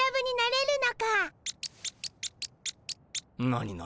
何何？